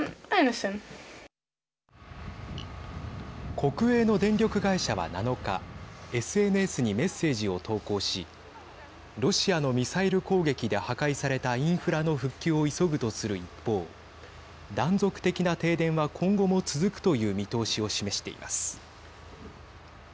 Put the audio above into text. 国営の電力会社は７日ＳＮＳにメッセージを投稿しロシアのミサイル攻撃で破壊されたインフラの復旧を急ぐとする一方断続的な停電は今後も続くという見通しを示しています。